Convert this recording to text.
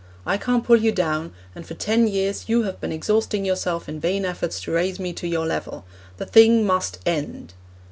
I can't pull you down, and for ten years you have been exhausting yourself in vain efforts to raise me to your level. The thing must end!'